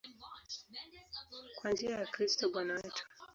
Kwa njia ya Kristo Bwana wetu.